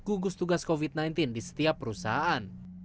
gugus tugas covid sembilan belas di setiap perusahaan